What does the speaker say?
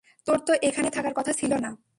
তোর তো এখানে থাকার কথা ছিলো না।